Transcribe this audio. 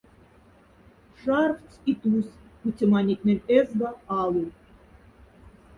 Шарфтсь и тусь куцеманятнень эзга алу.